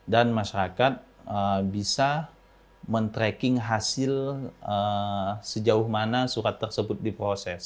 dan masyarakat bisa men tracking hasil sejauh mana surat tersebut diproses